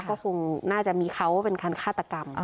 ก็คงน่าจะมีเขาเป็นการฆาตกรรม